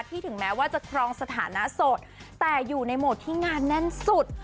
ถึงแม้ว่าจะครองสถานะโสดแต่อยู่ในโหมดที่งานแน่นสุด